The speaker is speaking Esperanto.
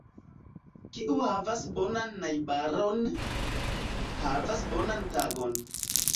Kiu havas bonan najbaron, havas bonan tagon.